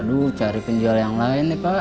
aduh cari penjual yang lain nih pak